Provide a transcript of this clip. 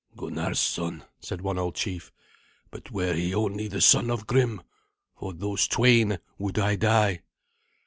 "Gunnar's son," said one old chief: "but were he only the son of Grim, for those twain would I die."